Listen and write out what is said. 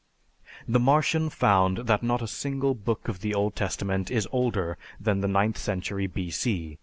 The Martian found that not a single book of the Old Testament is older than the ninth century B.C.